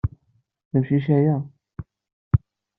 D amcic aya.